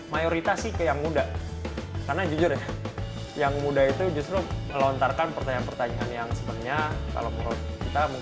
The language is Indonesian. maiurita ke muda karena jujur yang muda lawan pertanyaan pertanyaan yang sebenarnya topl pasting